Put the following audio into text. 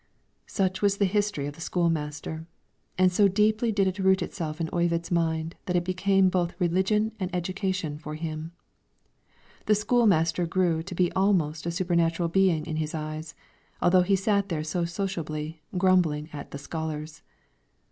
Such was the history of the school master, and so deeply did it root itself in Oyvind's mind that it became both religion and education for him. The school master grew to be almost a supernatural being in his eyes, although he sat there so sociably, grumbling at the scholars.